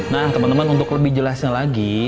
nah teman teman untuk lebih jelasnya lagi